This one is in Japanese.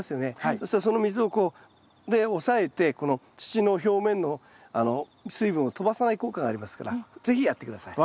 そしたらその水をこう押さえてこの土の表面の水分をとばさない効果がありますから是非やって下さい。